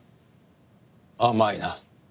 甘いな。